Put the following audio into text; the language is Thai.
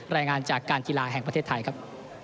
รายงานจากการกีฬาแห่งประเทศไทยครับ